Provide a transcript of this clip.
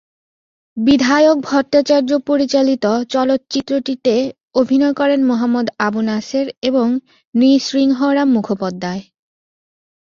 বিধায়ক ভট্টাচার্য পরিচালিত চলচ্চিত্রটিতে অভিনয় করেন মোহাম্মদ আবু নাসের এবং নৃসিংহরাম মুখোপাধ্যায়।